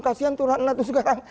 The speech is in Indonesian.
kasian tuh rana tuh sekarang